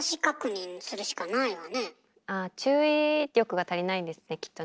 あ注意力が足りないんですねきっとね。